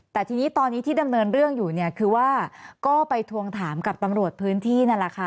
แต่ทีนี้ตอนนี้ที่ดำเนินเรื่องอยู่เนี่ยคือว่าก็ไปทวงถามกับตำรวจพื้นที่นั่นแหละค่ะ